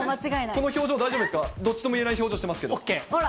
この表情大丈夫ですか、どっちともいえない表情してますけど。